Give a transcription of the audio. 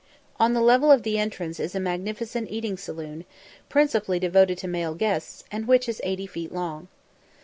On the level of the entrance is a magnificent eating saloon, principally devoted to male guests, and which is 80 feet long.